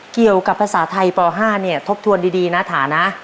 เกี่ยวกับภาษาไทยป๕เนี่ยทบทวนดีนะฐานะ